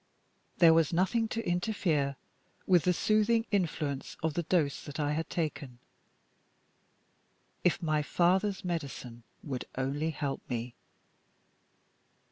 There was nothing to interfere with the soothing influence of the dose that I had taken, if my father's medicine would only help me.